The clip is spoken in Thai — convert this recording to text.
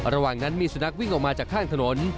ระหว่างนั้นมีสุนัขวิ่งออกมาจากข้างถนน